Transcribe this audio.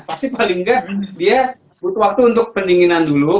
pasti paling enggak dia butuh waktu untuk pendinginan dulu